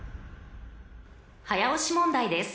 ［早押し問題です］